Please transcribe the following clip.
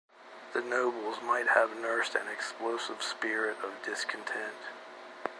The nobles might have nursed an explosive spirit of discontent.